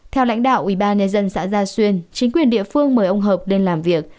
theo lãnh đạo ubnd xã gia xuyên chính quyền địa phương mời ông hợp lên làm việc